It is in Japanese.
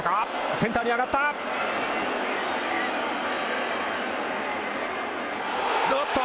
センターに上がった。